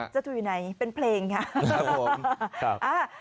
เจ้าถูอยู่ไหนเป็นเพลงค่ะ